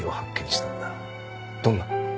どんな？